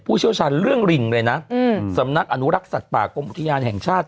เชี่ยวชาญเรื่องลิงเลยนะสำนักอนุรักษ์สัตว์ป่ากรมอุทยานแห่งชาติ